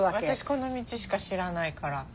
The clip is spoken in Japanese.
私この道しか知らないから。